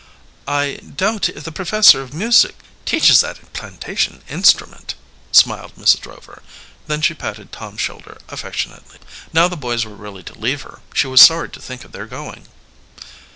"I doubt if the professor of music teaches that plantation instrument," smiled Mrs. Rover. Then she patted Tom's shoulder affectionately. Now the boys were really to leave her, she was sorry to think of their going.